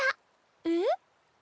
えっ？